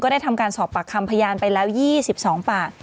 ได้ทำการสอบปากคำพยานไปแล้ว๒๒ปาก